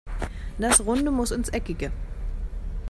Das Runde muss ins Eckige.